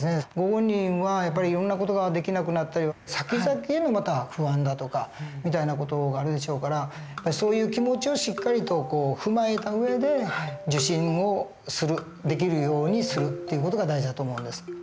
ご本人はやっぱりいろんな事ができなくなったりさきざきへの不安だとかみたいな事があるでしょうからそういう気持ちをしっかりと踏まえた上で受診をするできるようにするっていう事が大事だと思うんです。